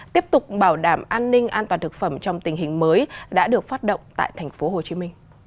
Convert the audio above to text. tiếp tục bảo đảm an ninh an toàn thực phẩm trong tình hình mới đã được phát động tại tp hcm